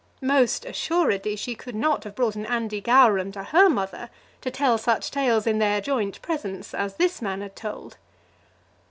Most assuredly she could not have brought an Andy Gowran to her mother to tell such tales in their joint presence as this man had told!